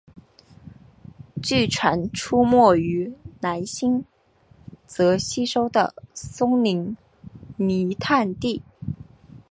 据传出没于南新泽西州的松林泥炭地。